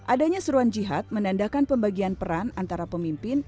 adanya seruan jihad menandakan pembagian peran antara pemimpin